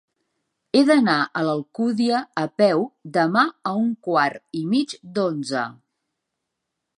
He d'anar a l'Alcúdia a peu demà a un quart i mig d'onze.